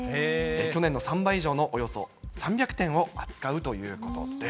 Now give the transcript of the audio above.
去年の３倍以上のおよそ３００点を扱うということです。